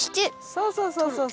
そうそうそうそう。